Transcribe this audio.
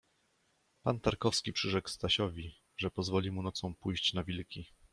Pan Tarkowski przyrzekł Stasiowi, że pozwoli mu nocą pójść na wilki.